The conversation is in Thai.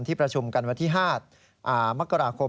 ประชุมกันวันที่๕มกราคม